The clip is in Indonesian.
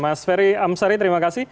mas ferry amsari terima kasih